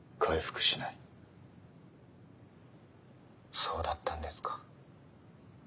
そうだったんですか。